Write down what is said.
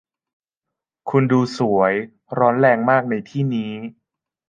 คุณดูสวยร้อนแรงมากในที่นี้